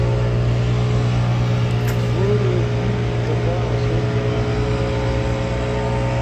ہور ہم ڇکا آسو کدئی انتظام چلائی نی